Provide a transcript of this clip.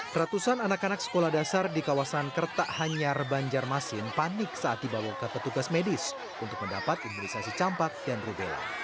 ratusan anak anak sekolah dasar di kawasan kerta hanyar banjarmasin panik saat dibawa ke petugas medis untuk mendapat imunisasi campak dan rubella